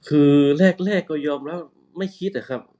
คือแรกก็ยอมแล้วไม่คิด